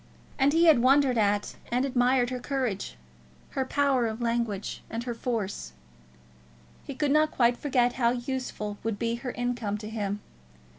And he had wondered at and admired her courage, her power of language, and her force. He could not quite forget how useful would be her income to him.